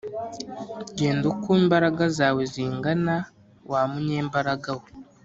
genda uko imbaraga zawe zingana wa munyembaraga we